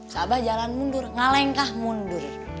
seabah jalan mundur ngalengkah mundur